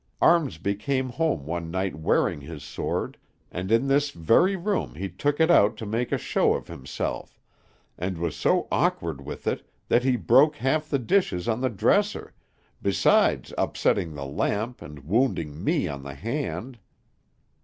Armsby came home one night wearing his sword, and in this very room he took it out to make a show of himself, and was so awkward with it that he broke half the dishes on the dresser, besides upsetting the lamp and wounding me on the hand.